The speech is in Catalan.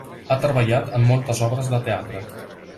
Ha treballat en moltes obres de teatre.